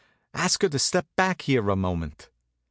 "Ask her to step back here a moment."